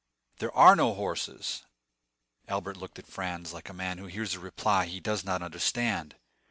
"There are no horses." Albert looked at Franz like a man who hears a reply he does not understand.